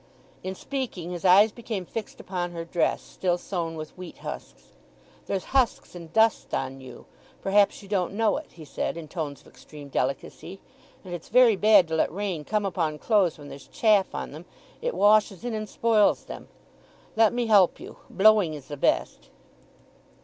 In speaking his eyes became fixed upon her dress, still sown with wheat husks. "There's husks and dust on you. Perhaps you don't know it?" he said, in tones of extreme delicacy. "And it's very bad to let rain come upon clothes when there's chaff on them. It washes in and spoils them. Let me help you—blowing is the best."